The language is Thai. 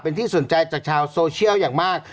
เป็นที่สนใจจากชาวโซเชียลอย่างมาก